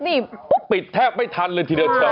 นี่ปุ๊บปิดแทบไม่ทันเลยที่เดินช้า